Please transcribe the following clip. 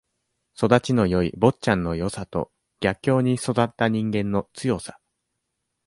育ちのよい坊ちゃんのよさと、逆境に育った人間の強さ。